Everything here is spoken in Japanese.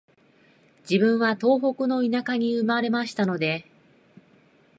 自分は東北の田舎に生まれましたので、